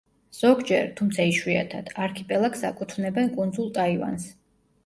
ზოგჯერ, თუმცა იშვიათად, არქიპელაგს აკუთვნებენ კუნძულ ტაივანს.